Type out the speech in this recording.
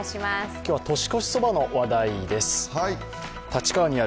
今日は年越しそばの話題です。